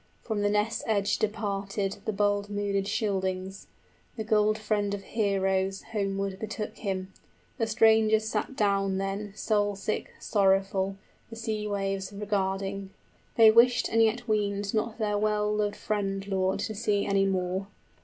From the ness edge departed The bold mooded Scyldings; the gold friend of heroes Homeward betook him. The strangers sat down then 45 Soul sick, sorrowful, the sea waves regarding: They wished and yet weened not their well loved friend lord {The giant sword melts.} To see any more.